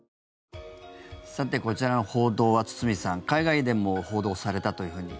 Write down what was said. こちらの報道は、堤さん海外でも報道されたというふうに。